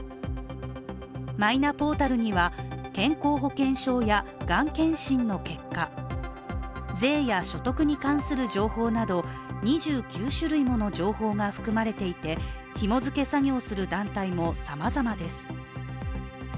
マイナポータルには、健康保険証やがん検診の結果税や所得に関する情報など２９種類もの情報が含まれていてひも付け作業する団体もさまざまです。